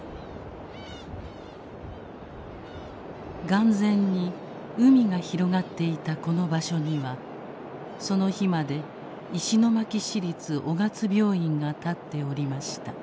「眼前に海が広がっていたこの場所にはその日まで石巻市立雄勝病院が建っておりました」。